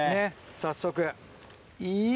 早速。